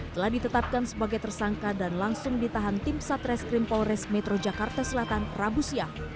telah ditetapkan sebagai tersangka dan langsung ditahan tim satreskrim polres metro jakarta selatan rabu siang